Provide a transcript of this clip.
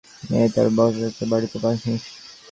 মেয়ে তার বড়চাচার বাড়িতে মানুষ।